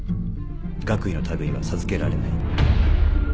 学位の類いは授けられない。